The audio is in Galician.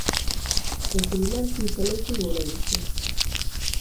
Ao xubilarse instalouse en Ourense.